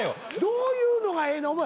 どういうのがええの？